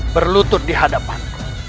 berlutut di hadapanku